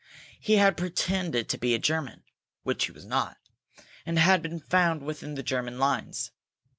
He had pretended to be a German, which he was not, and had been found within the German lines.